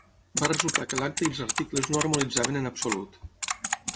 Va resultar que l'acte i els articles no harmonitzaven en absolut.